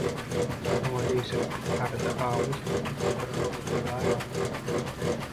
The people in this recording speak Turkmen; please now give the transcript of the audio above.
Oňa degşip «Arada «awgust» diýip bir bolgusyz aý bar.